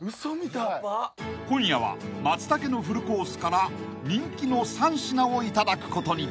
［今夜は松茸のフルコースから人気の三品をいただくことに］